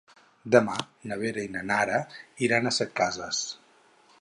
Demà na Vera i na Nara iran a Setcases.